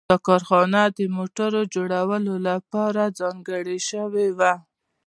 دا کارخانه د موټر جوړولو لپاره ځانګړې شوې وه